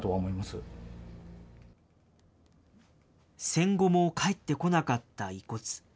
戦後も返ってこなかった遺骨。